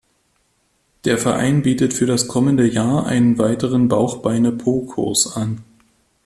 Der Verein bietet für das kommende Jahr einen weiteren Bauch-Beine-Po-Kurs an.